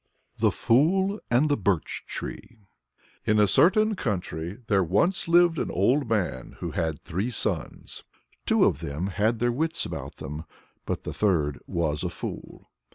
THE FOOL AND THE BIRCH TREE. In a certain country there once lived an old man who had three sons. Two of them had their wits about them, but the third was a fool.